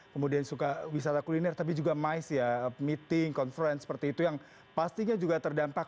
kemudian suka wisata kuliner tapi juga mais ya meeting conference seperti itu yang pastinya juga terdampak